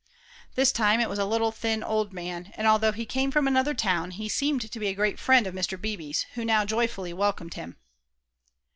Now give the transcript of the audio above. This time it was a little thin old man, and although he came from another town, he seemed to be a great friend of Mr. Beebe's, who now joyfully welcomed him.